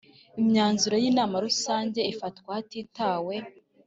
Imyanzuro y Inama rusange ifatwa hatitawe